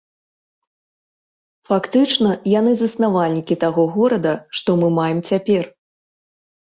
Фактычна, яны заснавальнікі таго горада, што мы маем цяпер.